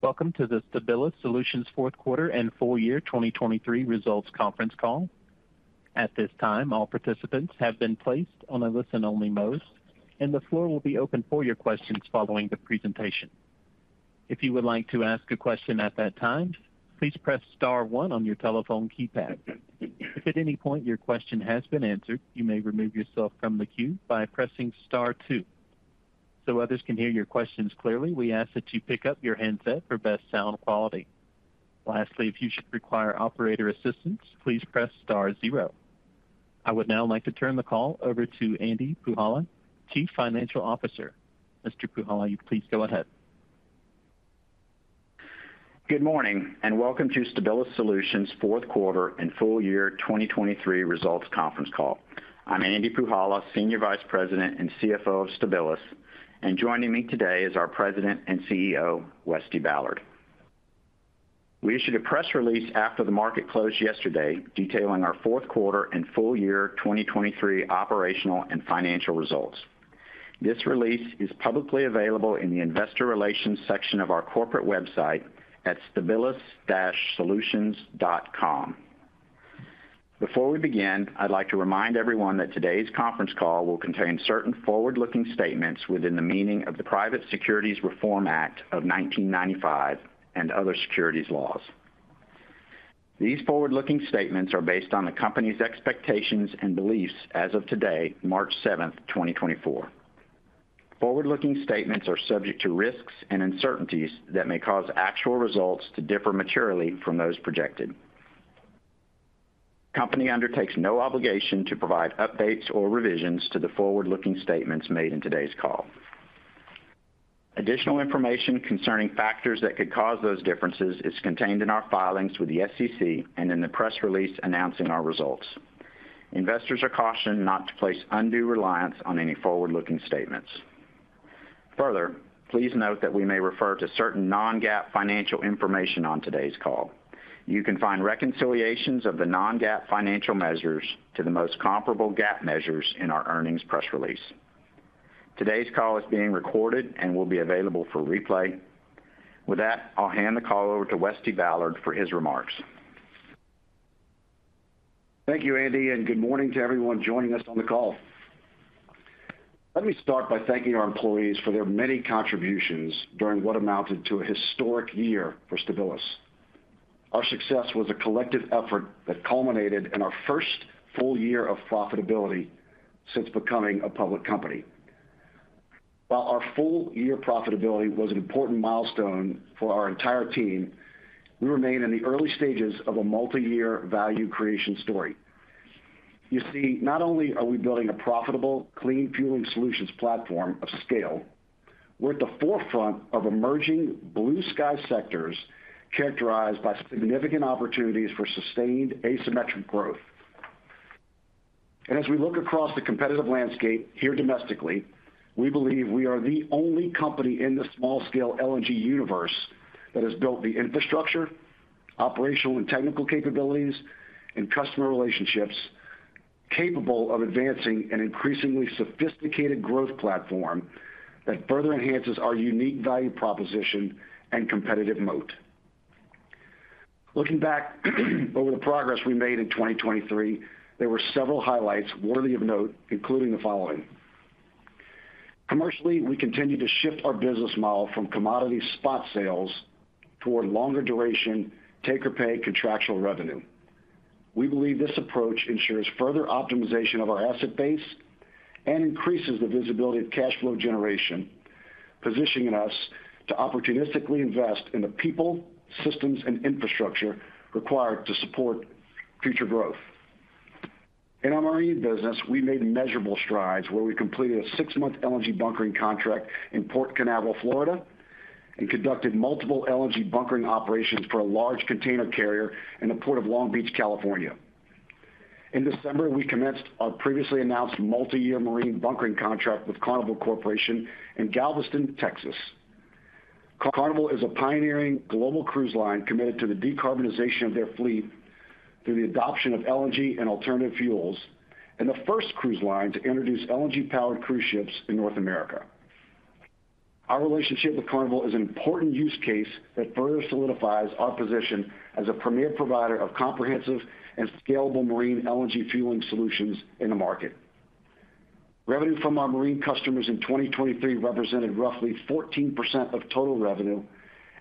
Welcome to the Stabilis Solutions fourth quarter and full year 2023 results conference call. At this time, all participants have been placed on a listen-only mode, and the floor will be open for your questions following the presentation. If you would like to ask a question at that time, please press star one on your telephone keypad. If at any point your question has been answered, you may remove yourself from the queue by pressing star two. So others can hear your questions clearly, we ask that you pick up your headset for best sound quality. Lastly, if you should require operator assistance, please press star zero. I would now like to turn the call over to Andy Puhala, Chief Financial Officer. Mr. Puhala, you please go ahead. Good morning and welcome to Stabilis Solutions fourth quarter and full year 2023 results conference call. I'm Andy Puhala, Senior Vice President and CFO of Stabilis, and joining me today is our President and CEO, Westy Ballard. We issued a press release after the market closed yesterday detailing our fourth quarter and full year 2023 operational and financial results. This release is publicly available in the investor relations section of our corporate website at stabilis-solutions.com. Before we begin, I'd like to remind everyone that today's conference call will contain certain forward-looking statements within the meaning of the Private Securities Reform Act of 1995 and other securities laws. These forward-looking statements are based on the company's expectations and beliefs as of today, March 7th, 2024. Forward-looking statements are subject to risks and uncertainties that may cause actual results to differ materially from those projected. The company undertakes no obligation to provide updates or revisions to the forward-looking statements made in today's call. Additional information concerning factors that could cause those differences is contained in our filings with the SEC and in the press release announcing our results. Investors are cautioned not to place undue reliance on any forward-looking statements. Further, please note that we may refer to certain non-GAAP financial information on today's call. You can find reconciliations of the non-GAAP financial measures to the most comparable GAAP measures in our earnings press release. Today's call is being recorded and will be available for replay. With that, I'll hand the call over to Westy Ballard for his remarks. Thank you, Andy, and good morning to everyone joining us on the call. Let me start by thanking our employees for their many contributions during what amounted to a historic year for Stabilis. Our success was a collective effort that culminated in our first full year of profitability since becoming a public company. While our full year profitability was an important milestone for our entire team, we remain in the early stages of a multi-year value creation story. You see, not only are we building a profitable, clean fueling solutions platform of scale, we're at the forefront of emerging blue sky sectors characterized by significant opportunities for sustained asymmetric growth. As we look across the competitive landscape here domestically, we believe we are the only company in the small-scale LNG universe that has built the infrastructure, operational and technical capabilities, and customer relationships capable of advancing an increasingly sophisticated growth platform that further enhances our unique value proposition and competitive moat. Looking back over the progress we made in 2023, there were several highlights worthy of note, including the following. Commercially, we continue to shift our business model from commodity spot sales toward longer duration, take-or-pay contractual revenue. We believe this approach ensures further optimization of our asset base and increases the visibility of cash flow generation, positioning us to opportunistically invest in the people, systems, and infrastructure required to support future growth. In our marine business, we made measurable strides where we completed a six-month LNG bunkering contract in Port Canaveral, Florida, and conducted multiple LNG bunkering operations for a large container carrier in the port of Long Beach, California. In December, we commenced our previously announced multi-year marine bunkering contract with Carnival Corporation in Galveston, Texas. Carnival is a pioneering global cruise line committed to the decarbonization of their fleet through the adoption of LNG and alternative fuels and the first cruise line to introduce LNG-powered cruise ships in North America. Our relationship with Carnival is an important use case that further solidifies our position as a premier provider of comprehensive and scalable marine LNG fueling solutions in the market. Revenue from our marine customers in 2023 represented roughly 14% of total revenue,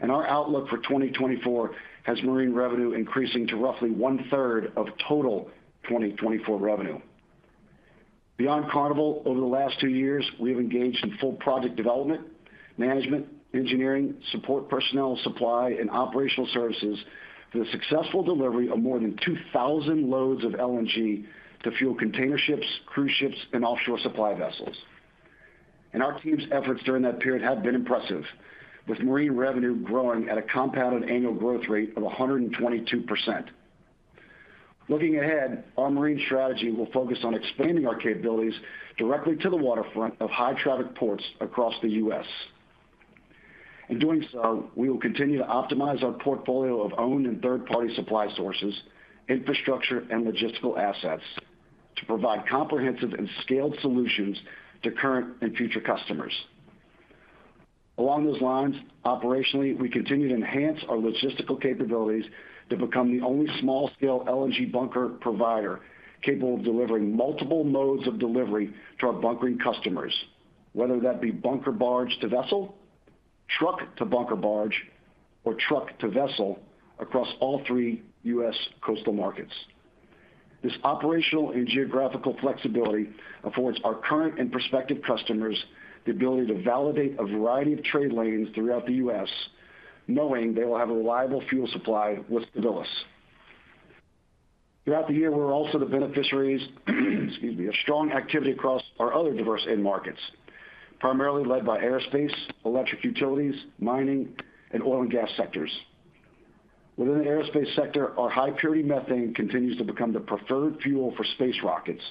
and our outlook for 2024 has marine revenue increasing to roughly one-third of total 2024 revenue. Beyond Carnival, over the last two years, we have engaged in full project development, management, engineering, support personnel, supply, and operational services for the successful delivery of more than 2,000 loads of LNG to fuel container ships, cruise ships, and offshore supply vessels. Our team's efforts during that period have been impressive, with marine revenue growing at a compounded annual growth rate of 122%. Looking ahead, our marine strategy will focus on expanding our capabilities directly to the waterfront of high-traffic ports across the U.S. In doing so, we will continue to optimize our portfolio of owned and third-party supply sources, infrastructure, and logistical assets to provide comprehensive and scaled solutions to current and future customers. Along those lines, operationally, we continue to enhance our logistical capabilities to become the only small-scale LNG bunker provider capable of delivering multiple modes of delivery to our bunkering customers, whether that be bunker barge to vessel, truck to bunker barge, or truck to vessel across all three U.S. coastal markets. This operational and geographical flexibility affords our current and prospective customers the ability to validate a variety of trade lanes throughout the U.S., knowing they will have a reliable fuel supply with Stabilis. Throughout the year, we're also the beneficiaries of strong activity across our other diverse end markets, primarily led by aerospace, electric utilities, mining, and oil and gas sectors. Within the aerospace sector, our high-purity methane continues to become the preferred fuel for space rockets,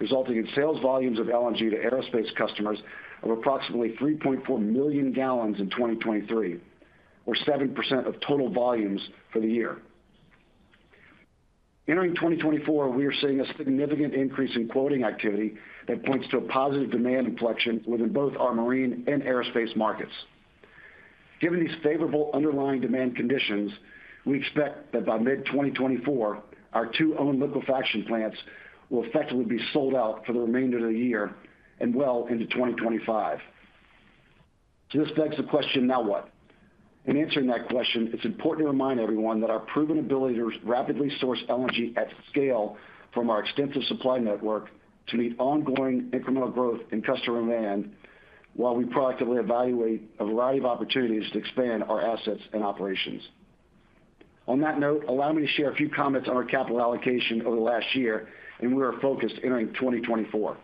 resulting in sales volumes of LNG to aerospace customers of approximately 3.4 million gallons in 2023, or 7% of total volumes for the year. Entering 2024, we are seeing a significant increase in quoting activity that points to a positive demand inflection within both our marine and aerospace markets. Given these favorable underlying demand conditions, we expect that by mid-2024, our two-owned liquefaction plants will effectively be sold out for the remainder of the year and well into 2025. So this begs the question, now what? In answering that question, it's important to remind everyone that our proven ability to rapidly source LNG at scale from our extensive supply network to meet ongoing incremental growth in customer demand while we proactively evaluate a variety of opportunities to expand our assets and operations. On that note, allow me to share a few comments on our capital allocation over the last year and where we are focused entering 2024.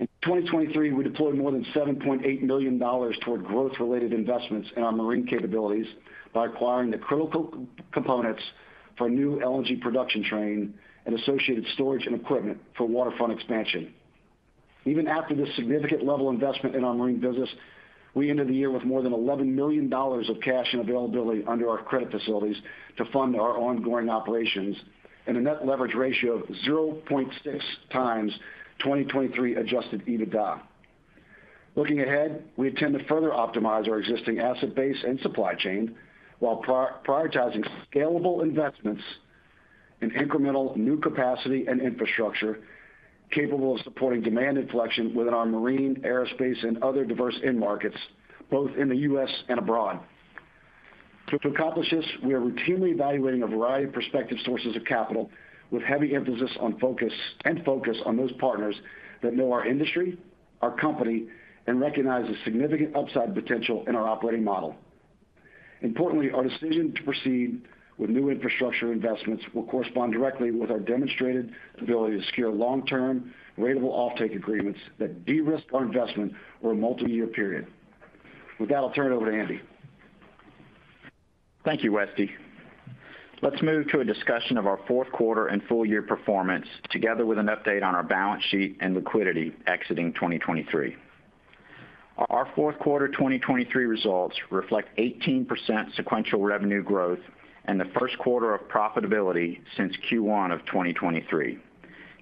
In 2023, we deployed more than $7.8 million toward growth-related investments in our marine capabilities by acquiring the critical components for a new LNG production train and associated storage and equipment for waterfront expansion. Even after this significant level of investment in our marine business, we ended the year with more than $11 million of cash and availability under our credit facilities to fund our ongoing operations and a net leverage ratio of 0.6 times 2023 Adjusted EBITDA. Looking ahead, we intend to further optimize our existing asset base and supply chain while prioritizing scalable investments in incremental new capacity and infrastructure capable of supporting demand inflection within our marine, aerospace, and other diverse end markets, both in the U.S. and abroad. To accomplish this, we are routinely evaluating a variety of prospective sources of capital, with heavy emphasis on focus and focus on those partners that know our industry, our company, and recognize the significant upside potential in our operating model. Importantly, our decision to proceed with new infrastructure investments will correspond directly with our demonstrated ability to secure long-term, ratable offtake agreements that de-risk our investment over a multi-year period. With that, I'll turn it over to Andy. Thank you, Westy. Let's move to a discussion of our fourth quarter and full year performance together with an update on our balance sheet and liquidity exiting 2023. Our fourth quarter 2023 results reflect 18% sequential revenue growth and the first quarter of profitability since Q1 of 2023.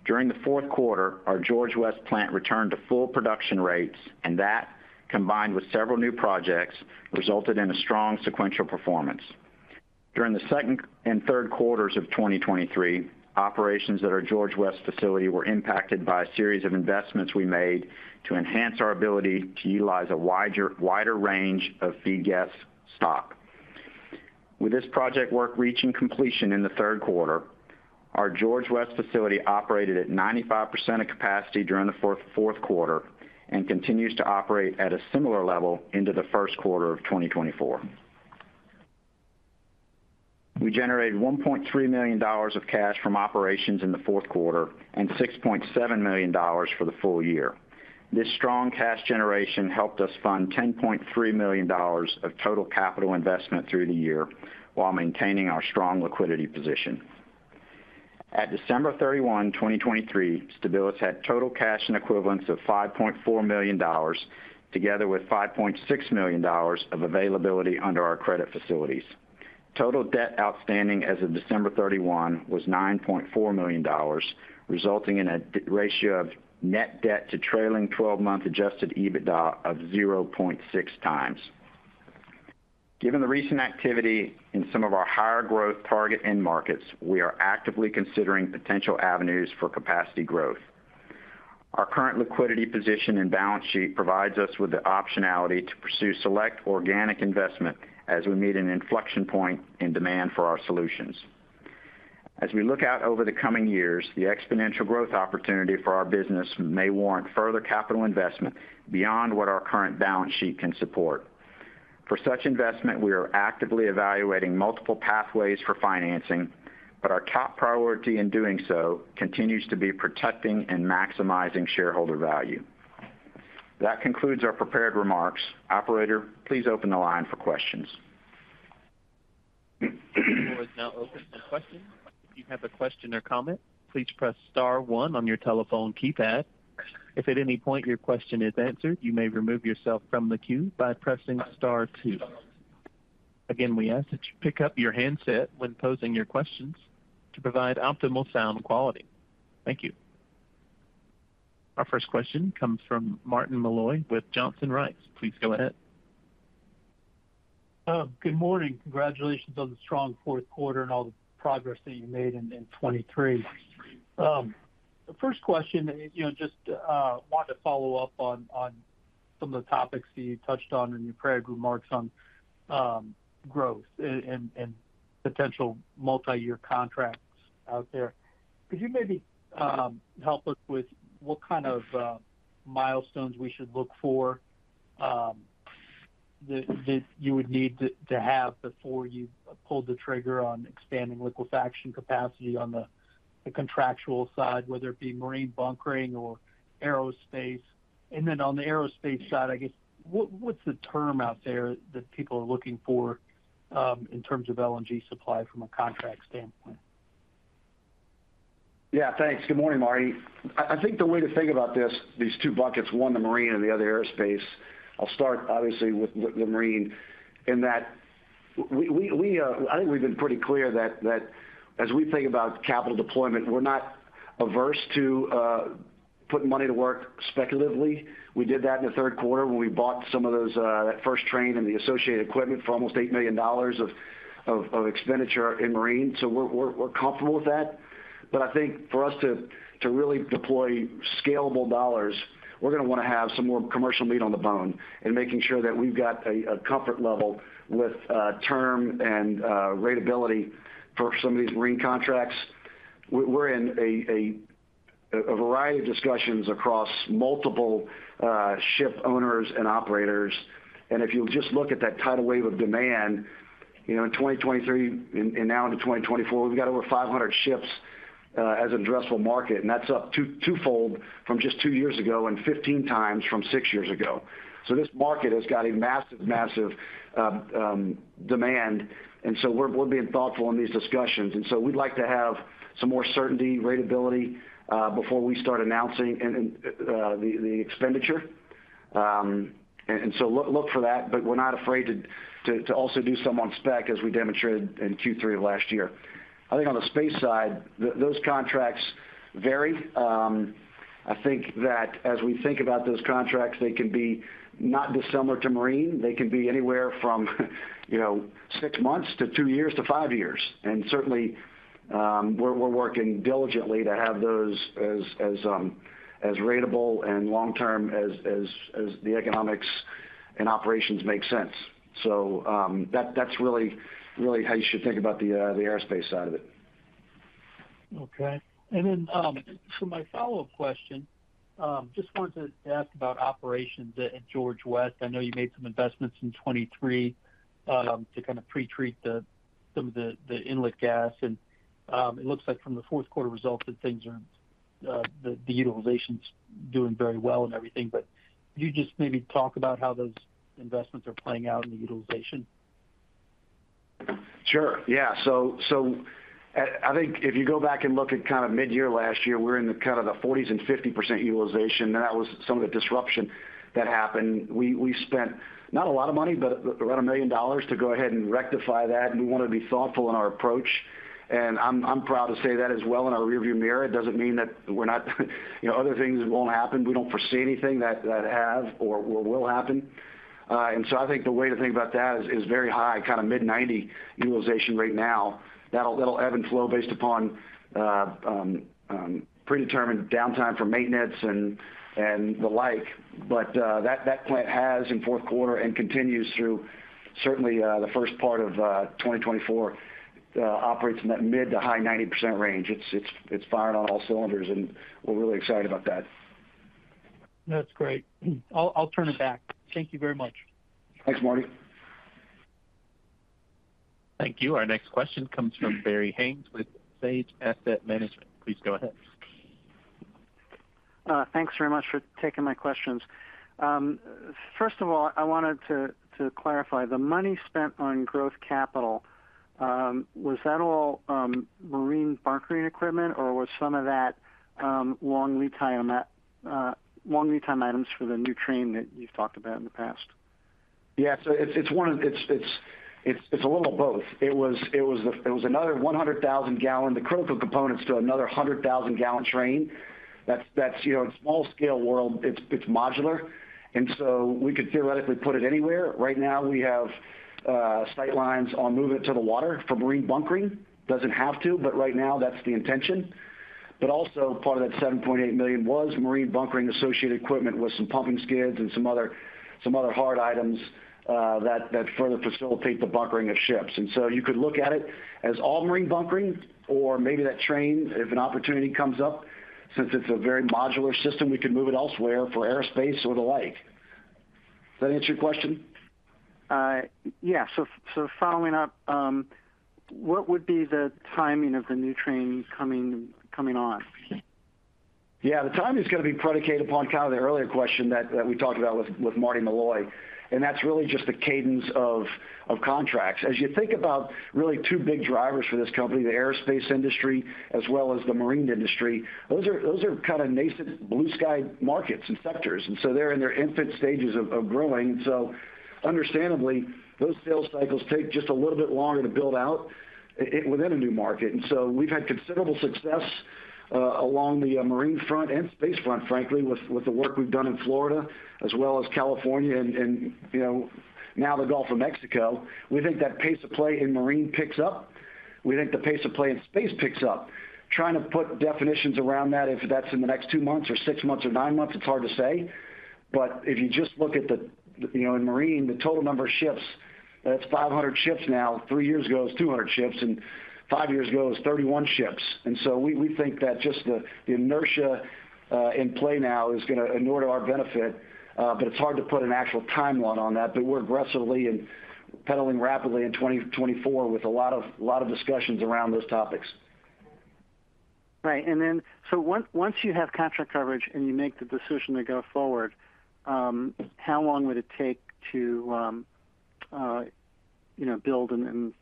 During the fourth quarter, our George West plant returned to full production rates, and that, combined with several new projects, resulted in a strong sequential performance. During the second and third quarters of 2023, operations at our George West facility were impacted by a series of investments we made to enhance our ability to utilize a wider range of feed gas stock. With this project work reaching completion in the third quarter, our George West facility operated at 95% of capacity during the fourth quarter and continues to operate at a similar level into the first quarter of 2024. We generated $1.3 million of cash from operations in the fourth quarter and $6.7 million for the full year. This strong cash generation helped us fund $10.3 million of total capital investment through the year while maintaining our strong liquidity position. At December 31, 2023, Stabilis had total cash and equivalents of $5.4 million together with $5.6 million of availability under our credit facilities. Total debt outstanding as of December 31 was $9.4 million, resulting in a ratio of net debt to trailing 12-month Adjusted EBITDA of 0.6x. Given the recent activity in some of our higher growth target end markets, we are actively considering potential avenues for capacity growth. Our current liquidity position in balance sheet provides us with the optionality to pursue select organic investment as we meet an inflection point in demand for our solutions. As we look out over the coming years, the exponential growth opportunity for our business may warrant further capital investment beyond what our current balance sheet can support. For such investment, we are actively evaluating multiple pathways for financing, but our top priority in doing so continues to be protecting and maximizing shareholder value. That concludes our prepared remarks. Operator, please open the line for questions. The floor is now open for questions. If you have a question or comment, please press star one on your telephone keypad. If at any point your question is answered, you may remove yourself from the queue by pressing star two. Again, we ask that you pick up your handset when posing your questions to provide optimal sound quality. Thank you. Our first question comes from Martin Malloy with Johnson Rice. Please go ahead. Good morning. Congratulations on the strong fourth quarter and all the progress that you made in 2023. First question, just wanted to follow up on some of the topics that you touched on in your prepared remarks on growth and potential multi-year contracts out there. Could you maybe help us with what kind of milestones we should look for that you would need to have before you pulled the trigger on expanding liquefaction capacity on the contractual side, whether it be marine bunkering or aerospace? And then on the aerospace side, I guess, what's the term out there that people are looking for in terms of LNG supply from a contract standpoint? Yeah, thanks. Good morning, Marty. I think the way to think about these two buckets, one, the marine, and the other, aerospace. I'll start, obviously, with the marine in that I think we've been pretty clear that as we think about capital deployment, we're not averse to putting money to work speculatively. We did that in the third quarter when we bought some of that first train and the associated equipment for almost $8 million of expenditure in marine. So we're comfortable with that. But I think for us to really deploy scalable dollars, we're going to want to have some more commercial meat on the bone in making sure that we've got a comfort level with term and ratability for some of these marine contracts. We're in a variety of discussions across multiple ship owners and operators. And if you'll just look at that tidal wave of demand in 2023 and now into 2024, we've got over 500 ships as an addressable market, and that's up twofold from just two years ago and 15 times from six years ago. So this market has got a massive, massive demand. And so we're being thoughtful in these discussions. And so we'd like to have some more certainty, ratability, before we start announcing the expenditure. And so look for that, but we're not afraid to also do some on spec as we demonstrated in Q3 of last year. I think on the space side, those contracts vary. I think that as we think about those contracts, they can be not dissimilar to marine. They can be anywhere from six months to two years to five years. Certainly, we're working diligently to have those as ratable and long-term as the economics and operations make sense. That's really how you should think about the aerospace side of it. Okay. And then for my follow-up question, just wanted to ask about operations at George West. I know you made some investments in 2023 to kind of pretreat some of the inlet gas. And it looks like from the fourth quarter results, that things are the utilization's doing very well and everything. But could you just maybe talk about how those investments are playing out in the utilization? Sure. Yeah. So I think if you go back and look at kind of mid-year last year, we were in kind of the 40%-50% utilization. And that was some of the disruption that happened. We spent not a lot of money, but around $1 million to go ahead and rectify that. And we wanted to be thoughtful in our approach. And I'm proud to say that as well in our rearview mirror. It doesn't mean that we're not other things won't happen. We don't foresee anything that have or will happen. And so I think the way to think about that is very high, kind of mid-90% utilization rate now. That'll ebb and flow based upon predetermined downtime for maintenance and the like. But that plant has in fourth quarter and continues through certainly the first part of 2024 operates in that mid- to high 90% range. It's fired on all cylinders, and we're really excited about that. That's great. I'll turn it back. Thank you very much. Thanks, Marty. Thank you. Our next question comes from Barry Haimes with Sage Asset Management. Please go ahead. Thanks very much for taking my questions. First of all, I wanted to clarify. The money spent on growth capital, was that all marine bunkering equipment, or was some of that long lead time items for the new train that you've talked about in the past? Yeah. So it's a little of both. It was another 100,000-gallon, the critical components to another 100,000-gallon train. In a small-scale world, it's modular. And so we could theoretically put it anywhere. Right now, we have sight lines on moving it to the water for marine bunkering. Doesn't have to, but right now, that's the intention. But also, part of that $7.8 million was marine bunkering-associated equipment with some pumping skids and some other hard items that further facilitate the bunkering of ships. And so you could look at it as all marine bunkering or maybe that train, if an opportunity comes up, since it's a very modular system, we could move it elsewhere for aerospace or the like. Does that answer your question? Yeah. So following up, what would be the timing of the new train coming on? Yeah. The timing is going to be predicated upon kind of the earlier question that we talked about with Martin Malloy. And that's really just the cadence of contracts. As you think about really two big drivers for this company, the aerospace industry as well as the marine industry, those are kind of nascent blue-sky markets and sectors. And so they're in their infant stages of growing. And so understandably, those sales cycles take just a little bit longer to build out within a new market. And so we've had considerable success along the marine front and space front, frankly, with the work we've done in Florida as well as California and now the Gulf of Mexico. We think that pace of play in marine picks up. We think the pace of play in space picks up. Trying to put definitions around that, if that's in the next 2 months or 6 months or 9 months, it's hard to say. But if you just look at the marine, the total number of ships, that's 500 ships now. 3 years ago, it was 200 ships. 5 years ago, it was 31 ships. So we think that just the inertia in play now is going to in order to our benefit. It's hard to put an actual timeline on that. We're aggressively and pedaling rapidly in 2024 with a lot of discussions around those topics. Right. And then so once you have contract coverage and you make the decision to go forward, how long would it take to build and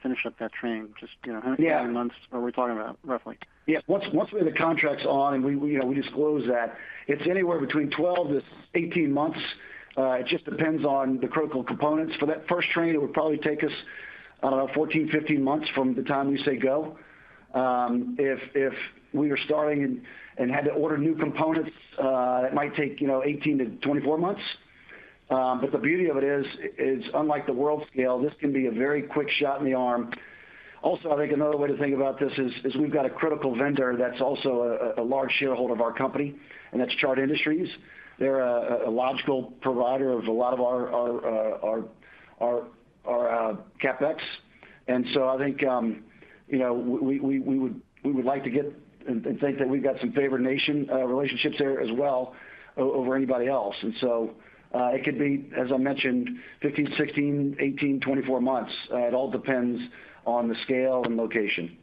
finish up that train? Just how many months are we talking about, roughly? Yeah. Once the contract's on, and we disclose that, it's anywhere between 12-18 months. It just depends on the critical components. For that first train, it would probably take us, I don't know, 14-15 months from the time we say go. If we were starting and had to order new components, it might take 18-24 months. But the beauty of it is, unlike the world scale, this can be a very quick shot in the arm. Also, I think another way to think about this is we've got a critical vendor that's also a large shareholder of our company, and that's Chart Industries. They're a logical provider of a lot of our CapEx. And so I think we would like to get and think that we've got some favorable relationships there as well over anybody else. It could be, as I mentioned, 15, 16, 18, 24 months. It all depends on the scale and location.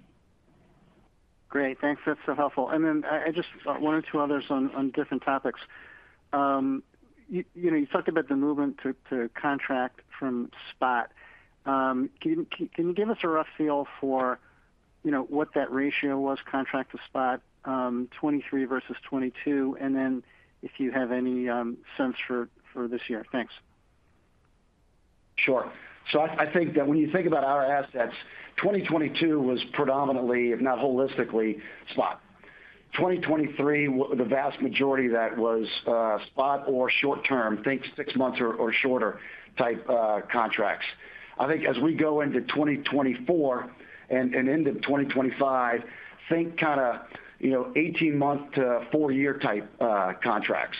Great. Thanks. That's so helpful. And then I just one or two others on different topics. You talked about the movement to contract from spot. Can you give us a rough feel for what that ratio was, contract to spot, 2023 versus 2022, and then if you have any sense for this year? Thanks. Sure. So I think that when you think about our assets, 2022 was predominantly, if not holistically, spot. 2023, the vast majority of that was spot or short-term, think 6 months or shorter type contracts. I think as we go into 2024 and into 2025, think kind of 18-month to 4-year type contracts.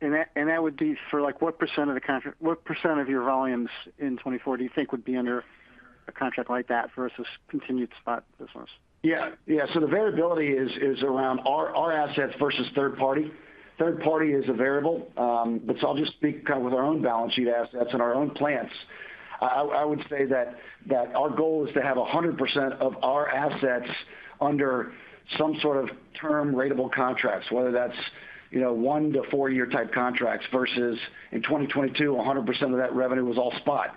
That would be for what % of the contract what % of your volumes in 2024 do you think would be under a contract like that versus continued spot business? Yeah. Yeah. So the variability is around our assets versus third party. Third party is a variable. But so I'll just speak kind of with our own balance sheet assets and our own plants. I would say that our goal is to have 100% of our assets under some sort of term ratable contracts, whether that's 1-4-year type contracts versus in 2022, 100% of that revenue was all spot,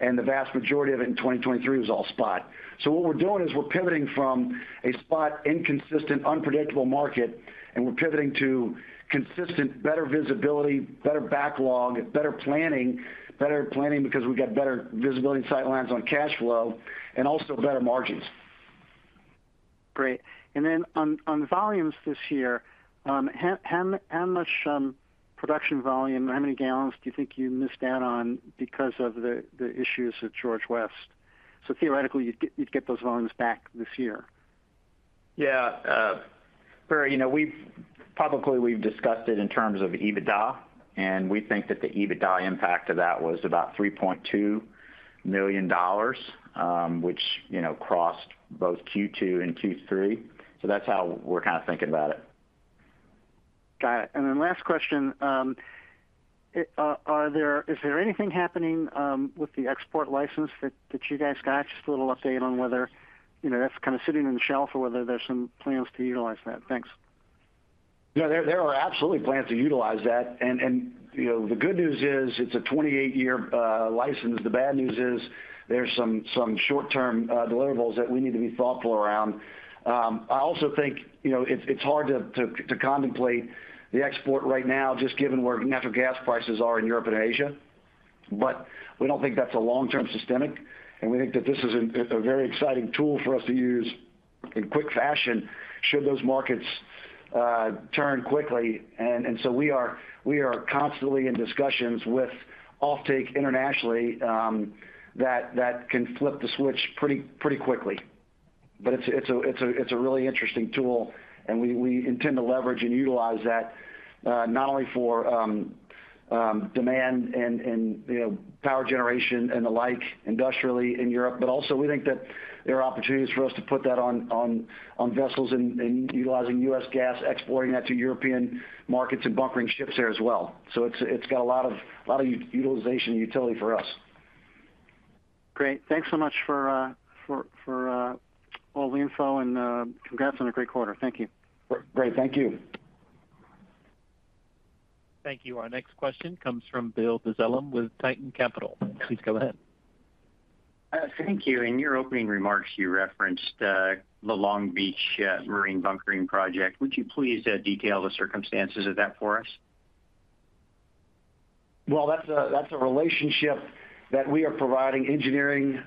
and the vast majority of it in 2023 was all spot. So what we're doing is we're pivoting from a spot, inconsistent, unpredictable market, and we're pivoting to consistent, better visibility, better backlog, better planning because we've got better visibility and sight lines on cash flow and also better margins. Great. And then on volumes this year, how much production volume or how many gallons do you think you missed out on because of the issues at George West? So theoretically, you'd get those volumes back this year. Yeah. Barry, publicly, we've discussed it in terms of EBITDA, and we think that the EBITDA impact of that was about $3.2 million, which crossed both Q2 and Q3. So that's how we're kind of thinking about it. Got it. And then last question. Is there anything happening with the export license that you guys got? Just a little update on whether that's kind of sitting on the shelf or whether there's some plans to utilize that. Thanks. Yeah. There are absolutely plans to utilize that. The good news is it's a 28-year license. The bad news is there's some short-term deliverables that we need to be thoughtful around. I also think it's hard to contemplate the export right now just given where natural gas prices are in Europe and Asia. We don't think that's a long-term systemic. We think that this is a very exciting tool for us to use in quick fashion should those markets turn quickly. So we are constantly in discussions with offtake internationally that can flip the switch pretty quickly. But it's a really interesting tool, and we intend to leverage and utilize that not only for demand and power generation and the like industrially in Europe, but also we think that there are opportunities for us to put that on vessels and utilizing U.S. gas, exporting that to European markets and bunkering ships there as well. So it's got a lot of utilization and utility for us. Great. Thanks so much for all the info, and congrats on a great quarter. Thank you. Great. Thank you. Thank you. Our next question comes from Bill Dezellem with Tieton Capital Management. Please go ahead. Thank you. In your opening remarks, you referenced the Long Beach marine bunkering project. Would you please detail the circumstances of that for us? Well, that's a relationship that we are providing engineering,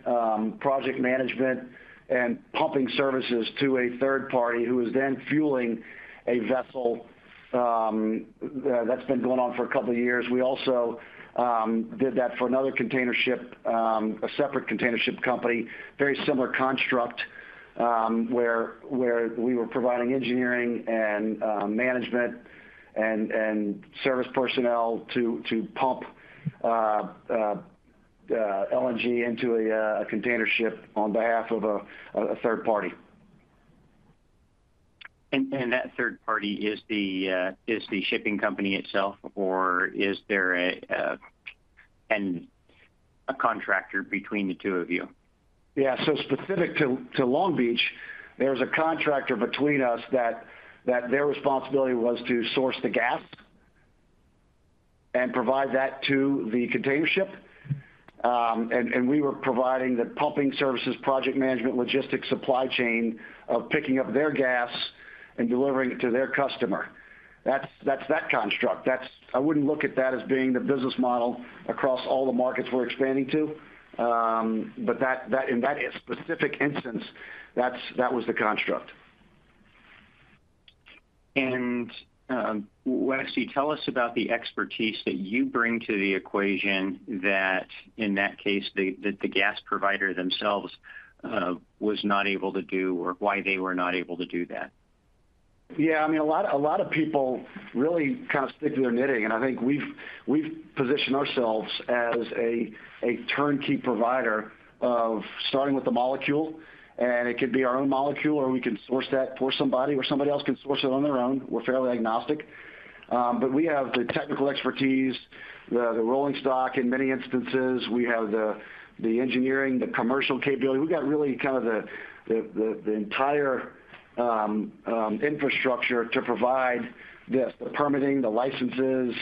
project management, and pumping services to a third party who is then fueling a vessel that's been going on for a couple of years. We also did that for another container ship, a separate container ship company, very similar construct where we were providing engineering and management and service personnel to pump LNG into a container ship on behalf of a third party. That third party is the shipping company itself, or is there a contractor between the two of you? Yeah. So specific to Long Beach, there's a contractor between us that their responsibility was to source the gas and provide that to the container ship. And we were providing the pumping services, project management, logistics, supply chain of picking up their gas and delivering it to their customer. That's that construct. I wouldn't look at that as being the business model across all the markets we're expanding to. But in that specific instance, that was the construct. Westy, tell us about the expertise that you bring to the equation that, in that case, the gas provider themselves was not able to do or why they were not able to do that? Yeah. I mean, a lot of people really kind of stick to their knitting. I think we've positioned ourselves as a turnkey provider starting with the molecule. It could be our own molecule, or we can source that for somebody, or somebody else can source it on their own. We're fairly agnostic. We have the technical expertise, the rolling stock in many instances. We have the engineering, the commercial capability. We've got really kind of the entire infrastructure to provide this, the permitting, the licenses,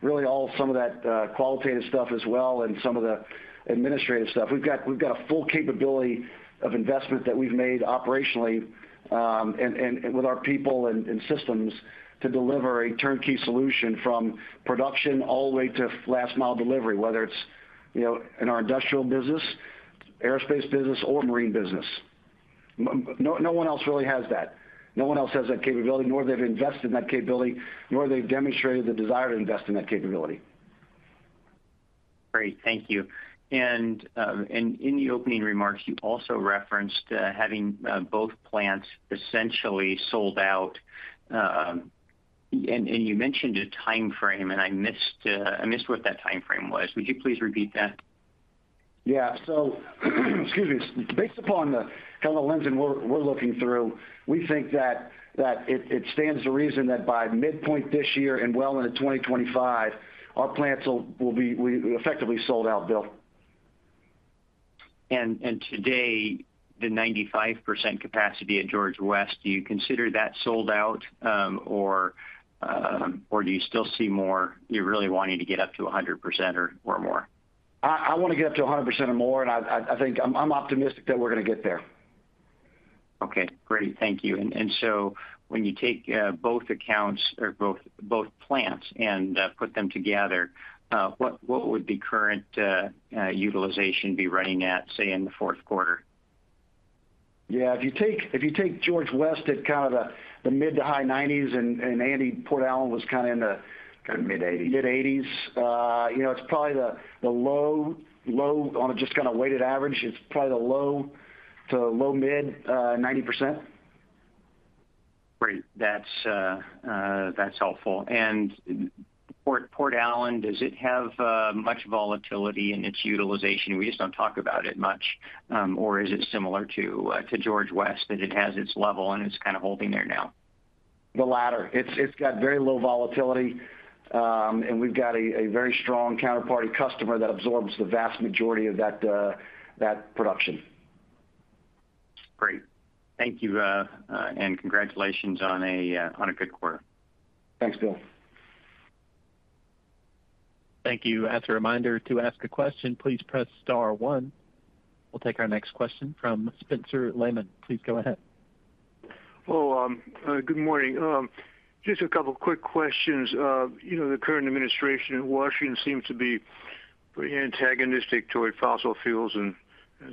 really all some of that qualitative stuff as well and some of the administrative stuff. We've got a full capability of investment that we've made operationally with our people and systems to deliver a turnkey solution from production all the way to last-mile delivery, whether it's in our industrial business, aerospace business, or marine business. No one else really has that. No one else has that capability, nor they've invested in that capability, nor they've demonstrated the desire to invest in that capability. Great. Thank you. In the opening remarks, you also referenced having both plants essentially sold out. You mentioned a timeframe, and I missed what that timeframe was. Would you please repeat that? Yeah. Excuse me. Based upon kind of the lens that we're looking through, we think that it stands to reason that by midpoint this year and well into 2025, our plants will be effectively sold out, Bill. Today, the 95% capacity at George West, do you consider that sold out, or do you still see more you're really wanting to get up to 100% or more? I want to get up to 100% or more. I think I'm optimistic that we're going to get there. Okay. Great. Thank you. And so when you take both accounts or both plants and put them together, what would the current utilization be running at, say, in the fourth quarter? Yeah. If you take George West at kind of the mid-to-high 90s, and Andy Puhala was kind of in the. Kind of mid-80s. Mid-80s, it's probably the low on a just kind of weighted average, it's probably the low to low-mid 90%. Great. That's helpful. Port Allen, does it have much volatility in its utilization? We just don't talk about it much. Or is it similar to George West that it has its level and it's kind of holding there now? The latter. It's got very low volatility, and we've got a very strong counterparty customer that absorbs the vast majority of that production. Great. Thank you, and congratulations on a good quarter. Thanks, Bill. Thank you. As a reminder, to ask a question, please press star one. We'll take our next question from Spencer Lehmann. Please go ahead. Well, good morning. Just a couple of quick questions. The current administration in Washington seems to be pretty antagonistic toward fossil fuels and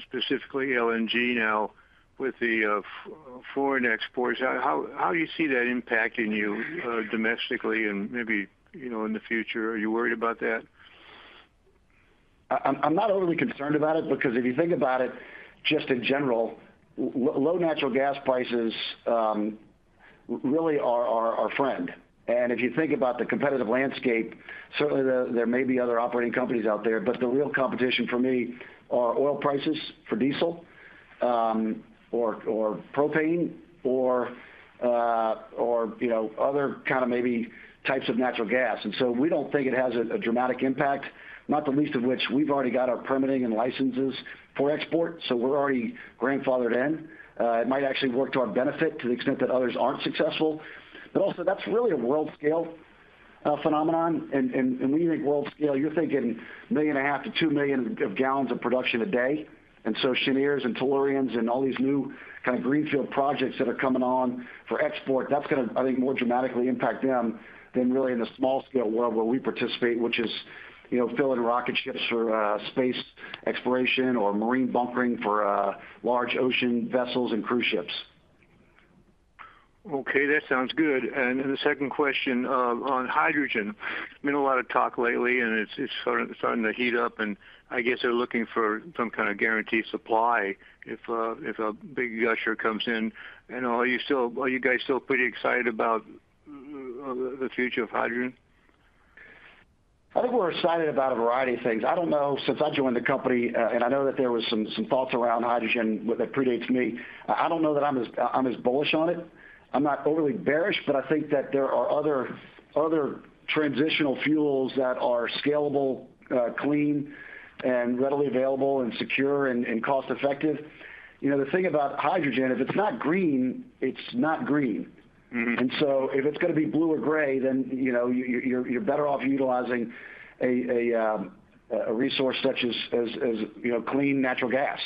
specifically LNG now with the foreign exports. How do you see that impacting you domestically and maybe in the future? Are you worried about that? I'm not overly concerned about it because if you think about it just in general, low natural gas prices really are our friend. And if you think about the competitive landscape, certainly, there may be other operating companies out there. But the real competition for me are oil prices for diesel or propane or other kind of maybe types of natural gas. And so we don't think it has a dramatic impact, not the least of which we've already got our permitting and licenses for export, so we're already grandfathered in. It might actually work to our benefit to the extent that others aren't successful. But also, that's really a world-scale phenomenon. And when you think world-scale, you're thinking 1.5 million-2 million gallons of production a day. And so Cheniere's and Tellurians' and all these new kind of greenfield projects that are coming on for export, that's going to, I think, more dramatically impact them than really in the small-scale world where we participate, which is filling rocket ships for space exploration or marine bunkering for large ocean vessels and cruise ships. Okay. That sounds good. Then the second question on hydrogen. Been a lot of talk lately, and it's starting to heat up. I guess they're looking for some kind of guaranteed supply if a big gusher comes in. Are you guys still pretty excited about the future of hydrogen? I think we're excited about a variety of things. I don't know. Since I joined the company, and I know that there were some thoughts around hydrogen that predates me, I don't know that I'm as bullish on it. I'm not overly bearish, but I think that there are other transitional fuels that are scalable, clean, and readily available and secure and cost-effective. The thing about hydrogen, if it's not green, it's not green. And so if it's going to be blue or gray, then you're better off utilizing a resource such as clean natural gas.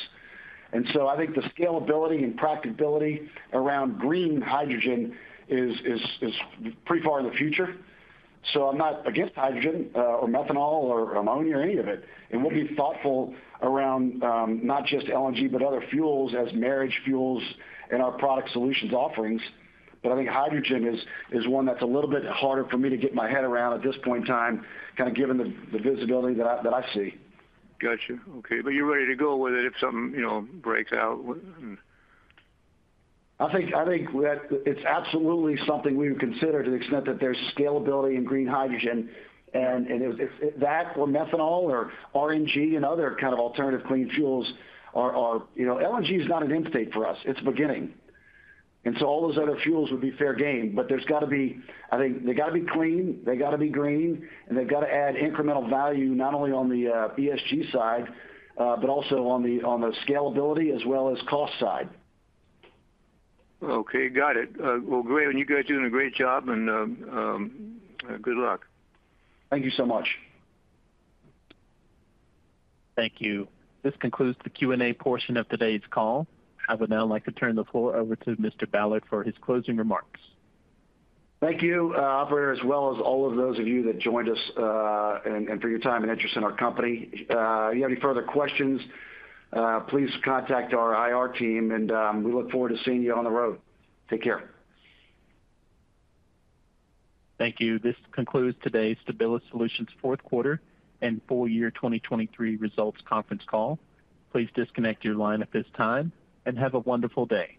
And so I think the scalability and practicability around green hydrogen is pretty far in the future. So I'm not against hydrogen or methanol or ammonia or any of it. And we'll be thoughtful around not just LNG but other fuels as marine fuels in our product solutions offerings. But I think hydrogen is one that's a little bit harder for me to get my head around at this point in time, kind of given the visibility that I see. Gotcha. Okay. But you're ready to go with it if something breaks out? I think that it's absolutely something we would consider to the extent that there's scalability in green hydrogen. And that or methanol or RNG and other kind of alternative clean fuels are. LNG is not an end state for us. It's beginning. And so all those other fuels would be fair game. But there's got to be, I think, they got to be clean. They got to be green. And they've got to add incremental value not only on the ESG side but also on the scalability as well as cost side. Okay. Got it. Well, great. And you guys are doing a great job, and good luck. Thank you so much. Thank you. This concludes the Q&A portion of today's call. I would now like to turn the floor over to Mr. Ballard for his closing remarks. Thank you, operator, as well as all of those of you that joined us and for your time and interest in our company. If you have any further questions, please contact our IR team. We look forward to seeing you on the road. Take care. Thank you. This concludes today's Stabilis Solutions fourth quarter and full-year 2023 results conference call. Please disconnect your line at this time and have a wonderful day.